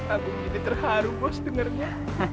aku jadi terharu bos dengarnya